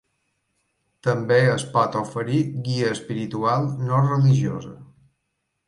També es pot oferir guia espiritual no religiosa.